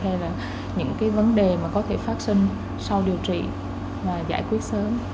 hay là những vấn đề có thể phát sinh sau điều trị và giải quyết sớm